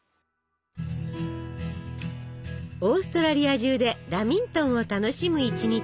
オーストラリア中でラミントンを楽しむ一日。